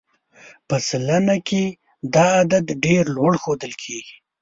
په سلنه کې دا عدد ډېر لوړ ښودل کېږي.